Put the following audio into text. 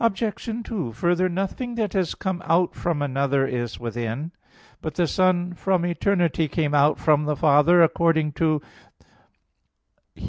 2: Further, nothing that has come out from another is within. But the Son from eternity came out from the Father, according to Mic.